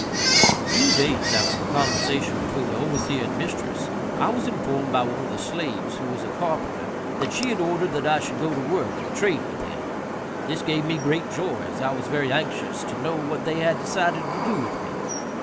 A few days after the conversation between the overseer and mistress, I was informed by one of the slaves, who was a carpenter, that she had ordered that I should go to work at the trade with him. This gave me great joy, as I was very anxious to know what they had decided to do with me.